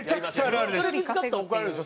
それ見付かったら怒られるでしょ？